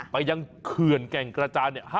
ไปยังเคื่อนแก่งกระจาน